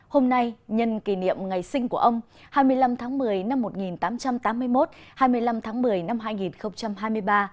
hôm nay nhân kỷ niệm ngày sinh của ông hai mươi năm tháng một mươi năm một nghìn tám trăm tám mươi một hai mươi năm tháng một mươi năm hai nghìn hai mươi ba